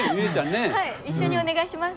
はい一緒にお願いします。